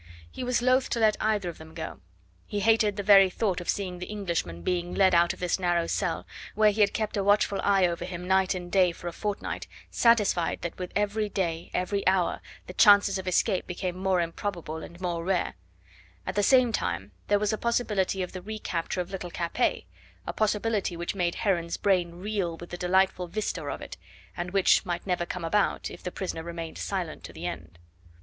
He was loath to let either of them go. He hated the very thought of seeing the Englishman being led out of this narrow cell, where he had kept a watchful eye over him night and day for a fortnight, satisfied that with every day, every hour, the chances of escape became more improbable and more rare; at the same time there was the possibility of the recapture of little Capet, a possibility which made Heron's brain reel with the delightful vista of it, and which might never come about if the prisoner remained silent to the end.